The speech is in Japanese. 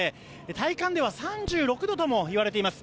体感では３６度ともいわれています。